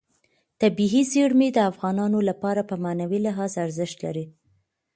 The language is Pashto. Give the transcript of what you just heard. طبیعي زیرمې د افغانانو لپاره په معنوي لحاظ ارزښت لري.